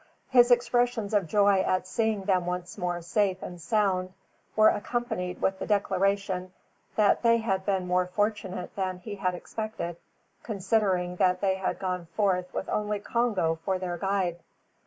His expressions of joy at seeing them once more safe and sound were accompanied with the declaration that they had been more fortunate than he had expected, considering that they had gone forth with only Congo for their guide.